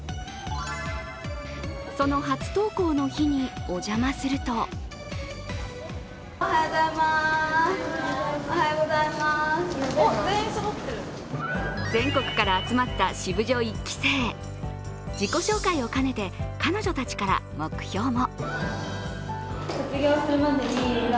その初登校の日にお邪魔すると全国から集まったシブジョ１期生自己紹介を兼ねて彼女たちから目標も。